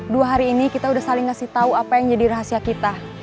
dua hari ini kita udah saling ngasih tahu apa yang jadi rahasia kita